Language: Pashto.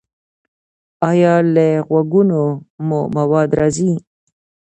ایا له غوږونو مو مواد راځي؟